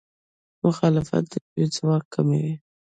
مخالفت د ژبې ځواک کموي.